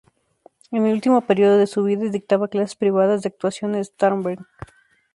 En el último período de su vida dictaba clases privadas de actuación en Starnberg.